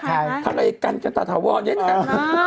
ทำอะไรกันกันต่อว่าอย่างนี้นะครับ